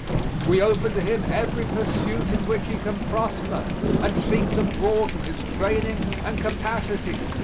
We open to him every pursuit in which he can prosper, and seek to broaden his training and capacity.